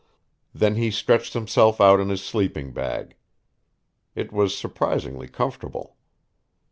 Then he stretched himself out in his sleeping bag. It was surprisingly comfortable.